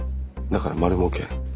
だから丸もうけ。